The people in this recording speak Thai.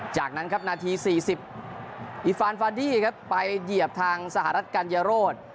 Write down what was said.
จากนั้นครับนาที๔๐อีฟานฟาดี้ครับไปเหยียบทางสหรัฐกัญญาโรธ